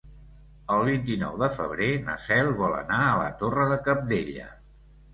El vint-i-nou de febrer na Cel vol anar a la Torre de Cabdella.